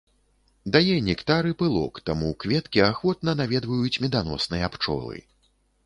Дае нектар і пылок, таму кветкі ахвотна наведваюць меданосныя пчолы.